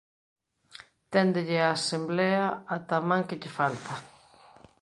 Téndelle á Asemblea ata a man que lle falta.